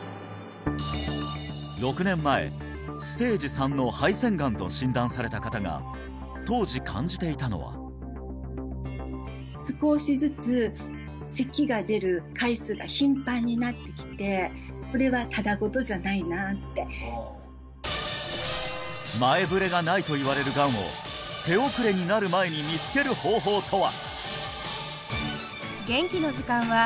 ６年前ステージ３の肺腺がんと診断された方が当時感じていたのは少しずつこれは前触れがないといわれるがんを手遅れになる前に見つける方法とは？